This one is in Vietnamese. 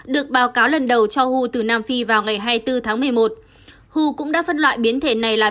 được báo cáo lần đầu cho hou từ nam phi vào ngày hai mươi bốn tháng một mươi một hu cũng đã phân loại biến thể này là